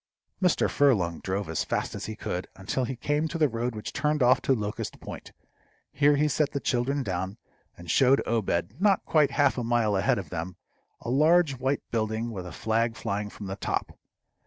Mr. Furlong drove as fast as he could, until he came to the road which turned off to Locust Point. Here he set the children down, and showed Obed, not quite half a mile ahead of them, a large white building with a flag flying from the top.